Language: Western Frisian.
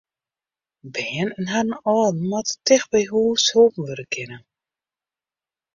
Bern en harren âlden moatte tichteby hús holpen wurde kinne.